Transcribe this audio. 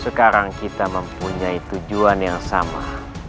sekarang kita mempunyai tujuan yang sama